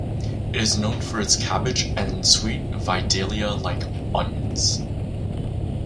It is known for its cabbage and sweet Vidalia-like onions.